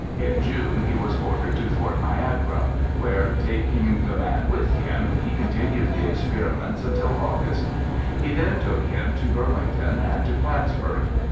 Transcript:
In June he was ordered to Fort Niagara, A BACKWOOD PHYSIOLOGIST 163 where, taking the man with him, he continued the experiments until August. He then took him to Bur lington and to Plattsburgh.